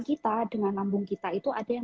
kita dengan lambung kita itu ada yang